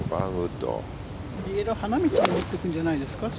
花道に打っていくんじゃないですか？